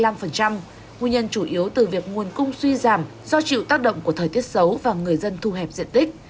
nguyên nhân chủ yếu từ việc nguồn cung suy giảm do chịu tác động của thời tiết xấu và người dân thu hẹp diện tích